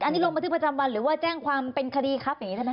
อันนี้ลงบันทึกประจำวันหรือแจ้งความเป็นคดีครับ